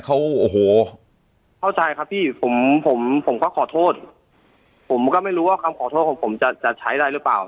เขาโอ้โหเข้าใจครับพี่ผมผมผมก็ขอโทษผมก็ไม่รู้ว่าคำขอโทษของผมจะจะใช้ได้หรือเปล่า